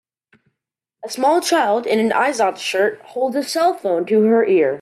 A small child in an Izod shirt holds a cellphone to her ear.